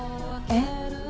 えっ？